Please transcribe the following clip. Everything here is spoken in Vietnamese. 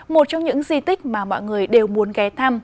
một trong những di tích mà mọi người đều muốn ghé thăm